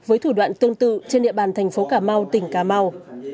với thủ đoạn tương tự trên địa bàn thành phố cà mau tỉnh cà mau